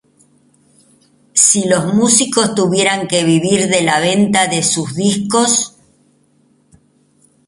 si los músicos tuvieran que vivir de la venta de sus discos